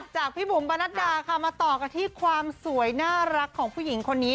พี่บุ๋มประนัดดาค่ะมาต่อกันที่ความสวยน่ารักของผู้หญิงคนนี้